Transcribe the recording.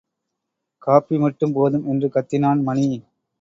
Coffee மட்டும் போதும் என்று கத்தினான் மணி.